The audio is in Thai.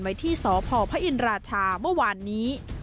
ไว้ที่สพพระอินราชาเมื่อวานนี้